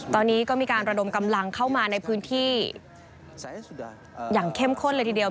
ตอนนี้ก็มีการระดมกำลังเข้ามาในพื้นที่อย่างเข้มข้นเลยทีเดียว